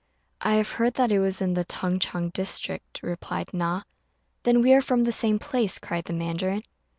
"I have heard that it was in the Tung ch'ang district," replied Na. "Then we are from the same place," cried the mandarin.